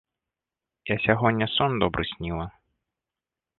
Я сягоння сон добры сніла.